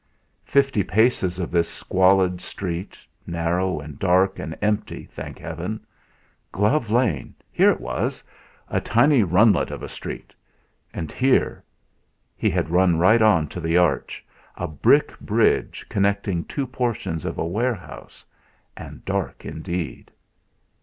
Fifty paces of this squalid street narrow, and dark, and empty, thank heaven! Glove Lane! Here it was! A tiny runlet of a street. And here ! He had run right on to the arch, a brick bridge connecting two portions of a warehouse, and dark indeed.